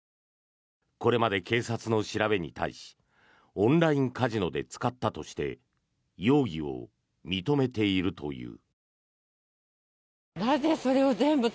これまで警察の調べに対しオンラインカジノで使ったとして容疑を認めているという。